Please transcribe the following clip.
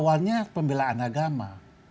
awalnya pembelakang agama